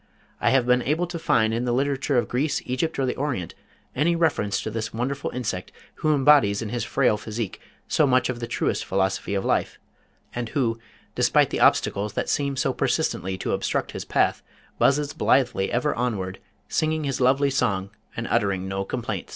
I have been unable to find in the literature of Greece, Egypt or the Orient, any reference to this wonderful insect who embodies in his frail physique so much of the truest philosophy of life, and who, despite the obstacles that seem so persistently to obstruct his path, buzzes blithely ever onward, singing his lovely song and uttering no complaints.